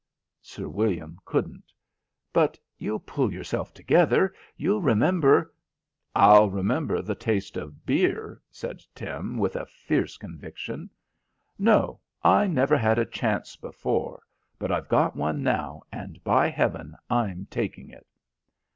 Sir William couldn't. "But you'll pull yourself together. You'll remember " "I'll remember the taste of beer," said Tim with fierce conviction. "No, I never had a chance before, but I've got one now, and, by heaven, I'm taking it."